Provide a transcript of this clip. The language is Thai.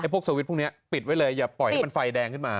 พวกสวิตช์พวกนี้ปิดไว้เลยอย่าปล่อยให้มันไฟแดงขึ้นมา